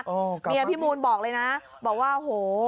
อ๋อกลับมาดีพี่มูลบอกเลยนะบอกว่าโอ้โฮ